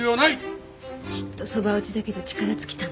きっとそば打ちだけで力尽きたのよ。